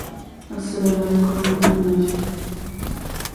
The original statue is thought to have been a modified ship's figurehead.